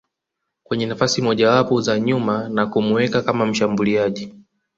kwenye nafasi mojawapo za nyuma na kumuweka kama mshambuliaji